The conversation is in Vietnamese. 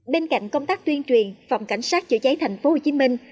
bên cạnh công tác tuyên truyền phòng cảnh sát chữa cháy thành phố hồ chí minh